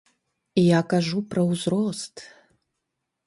Я кажу пра узрост.